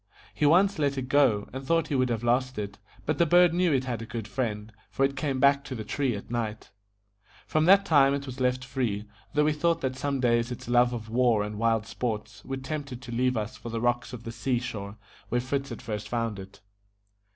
He once let it go, and thought he would have lost it, but the bird knew it had a good friend, for it came back to the tree at night. From that time it was left free, though we thought that some day its love of war and wild sports would tempt it to leave us for the rocks of the sea shore, where Fritz had first found it.